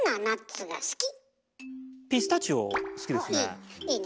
ピスタチオ好きですね。